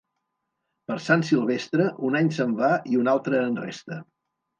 Per Sant Silvestre, un any se'n va i un altre en resta.